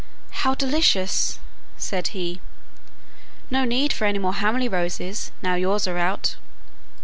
"How delicious!" said he. "No need for any more Hamley roses now yours are out."